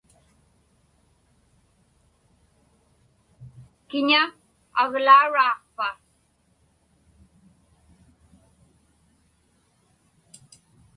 Kiña aglauraaqpa?